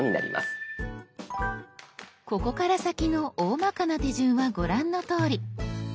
ここから先のおおまかな手順はご覧のとおり。